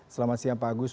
selamat siang pak agus